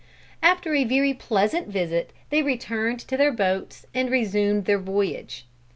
After a very pleasant visit they returned to their boats and resumed their voyage.